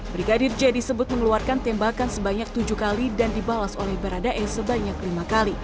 brigadir j disebut mengeluarkan tembakan sebanyak tujuh kali dan dibalas oleh baradae sebanyak lima kali